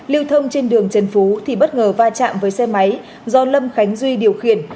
lưu thông trên đường trần phú thì bất ngờ va chạm với xe máy do lâm khánh duy điều khiển